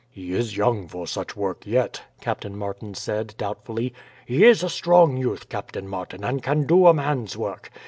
"He is young for such work yet," Captain Martin said doubtfully. "He is a strong youth, Captain Martin, and can do a man's work.